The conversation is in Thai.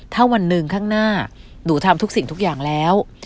ถ้าวันหนึ่งข้างหน้าหนูทำทุกสิ่งทุกอย่างแล้ว